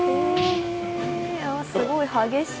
すごい激しい。